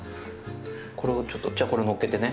これをちょっと、じゃあ、これをのっけてね。